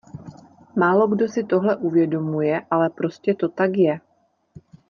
Málokdo si tohle uvědomuje, ale prostě to tak je.